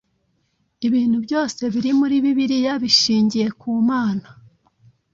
Ibintu byose biri muri Bibiliya bishingiye ku Mana.